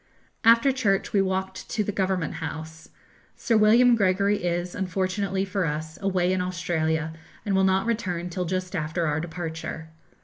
After church we walked to the Government House. Sir William Gregory is, unfortunately for us, away in Australia, and will not return till just after our departure.